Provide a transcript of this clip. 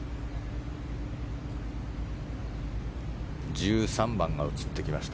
１３番が映ってきました。